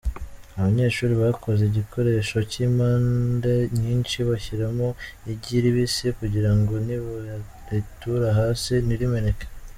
Abanyeshuri bakoze igikoresho cy’impande nyinshi bashyiramo igi ribisi, kugirango nibaritura hasi ntirimeneke.